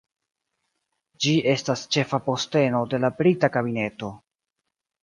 Ĝi estas ĉefa posteno de la Brita Kabineto.